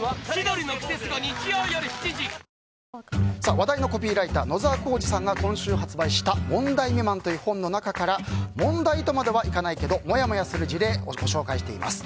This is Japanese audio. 話題のコピーライター野澤幸司さんが今週発売した「問題未満」という本の中から問題とまではいかないけどモヤモヤする事例をご紹介しています。